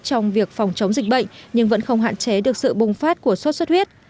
trong việc phòng chống dịch bệnh nhưng vẫn không hạn chế được sự bùng phát của sốt xuất huyết